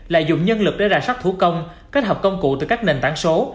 là dùng nhân lực để ra sắc thủ công kết hợp công cụ từ các nền tảng số